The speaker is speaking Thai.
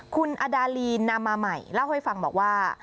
คุณอดาลีนามาใหม่เล่าให้ฟังบอกว่า